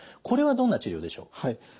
これはどんな治療でしょう？